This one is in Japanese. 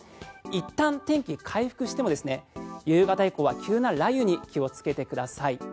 いったん、天気回復しても夕方以降は急な雷雨に気をつけてください。